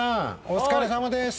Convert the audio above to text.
お疲れさまです